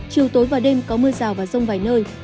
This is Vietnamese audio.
chiều tối và đêm có mưa rào và rông vài nơi